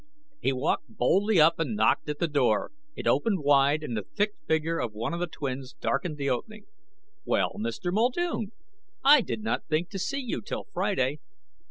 He walked boldly up and knocked at the door. It opened wide and the thick figure of one of the twins darkened the opening. "Well, Mr. Muldoon. I did not think to see you till Friday."